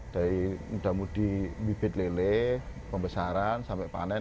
dari mudah mudih bibit lele pembesaran sampai panen